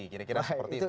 kira kira seperti itu